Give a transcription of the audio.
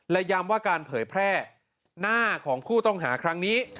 และย้ำว่าการเผยแพร่หน้าของผู้ต้องหาครั้งนี้